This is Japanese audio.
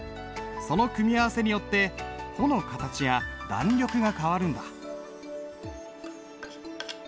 その組み合わせによって穂の形や弾力が変わるんだ。